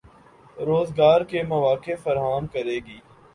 روزگار کے مواقع فراہم کرے گی